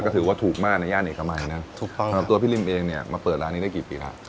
ใช่ถูกต้องครับผมถูกต้องครับผมตัวพี่ริมเองเนี่ยมาเปิดร้านนี้ได้กี่ปีแล้ว